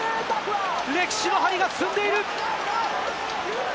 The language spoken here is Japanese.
歴史の針が進んでいる！